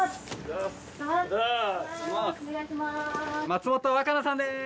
松本若菜さんです